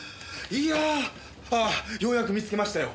いやようやく見つけましたよ。